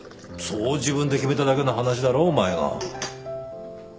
そう自分で決めただけの話だろお前が。